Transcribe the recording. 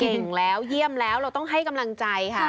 เก่งแล้วเยี่ยมแล้วเราต้องให้กำลังใจค่ะ